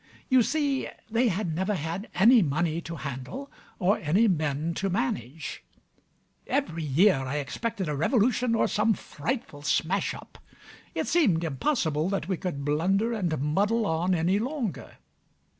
You see they had never had any money to handle or any men to manage. Every year I expected a revolution, or some frightful smash up: it seemed impossible that we could blunder and muddle on any longer.